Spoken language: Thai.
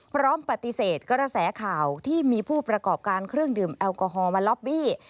พร้อมปฏิเสธกระแสข่าวที่มีผู้ประกอบการเครื่องดื่มแอลกอฮอล์มาล็อบบี้